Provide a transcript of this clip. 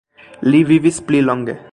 Li vivis pli longe.